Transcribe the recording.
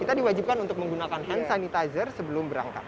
kita diwajibkan untuk menggunakan hand sanitizer sebelum berangkat